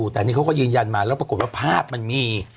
แต่นี่เขาก็ยืนยันมาแล้วปรากฏว่าภาพมันมี